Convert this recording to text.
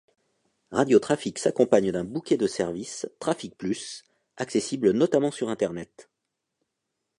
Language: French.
Radio Trafic s’accompagne d’un bouquet de services, TraficPlus, accessibles notamment sur Internet.